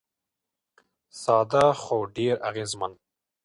ساده خو ډېر اغېزمن.